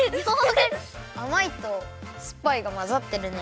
あまいとすっぱいがまざってるね。